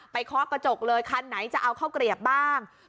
เคาะกระจกเลยคันไหนจะเอาข้าวเกลียบบ้าง